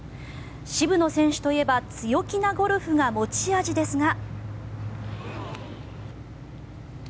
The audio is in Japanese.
渋野選手といえば強気なゴルフが持ち味ですが。